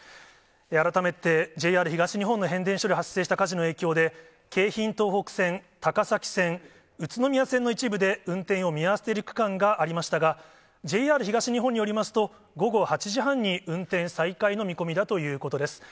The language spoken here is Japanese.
改めてＪＲ東日本の変電所で発生した火事の影響で、京浜東北線、高崎線、宇都宮線の一部で運転を見合わせている区間がありましたが、ＪＲ東日本によりますと、午後８時半に運転再開の見込みだということです。